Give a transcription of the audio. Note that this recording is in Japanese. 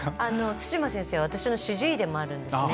対馬先生は私の主治医でもあるんですね。